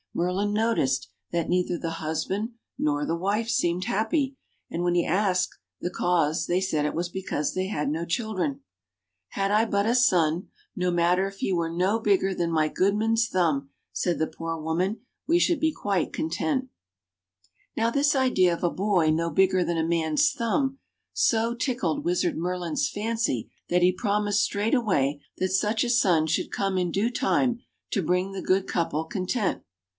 Merlin noticed that neither the husband nor the wife seemed happy ; and when he asked the cause they said it was because they had no children. " Had I but a son, no matter if he were no bigger than my goodman's thumb," said the poor woman, "we should be quite content." 203 204 ENGLISH FAIRY TALES Now this idea of a boy no bigger than a man's thumb, so tickled Wizard Merhn's fancy that he promised straight away that such a son should come in due time to bring the good couple content.